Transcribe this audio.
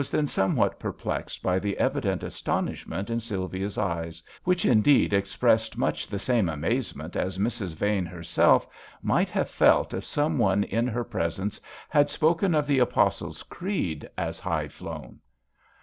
65 then somewhat perplexed by the evident astonishment in Sylvia's eyes, which indeed expressed much the same amazement as Mrs. Vane herself might have felt if some one in her presence had spoken of the Apostles* Creed as high flown.